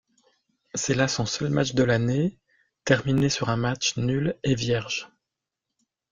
C'est là son seul match de l'année, terminé sur un match nul et vierge.